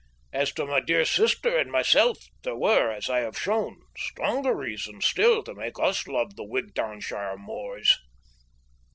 As to my dear sister and myself, there were, as I have shown, stronger reasons still to make us love the Wigtownshire moors.